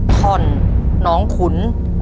ท่อนน้องขุน